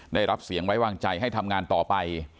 ได้รับเสียงไว้วางใจให้ทำงานต่อไป